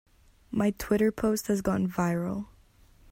My Twitter post has gone viral.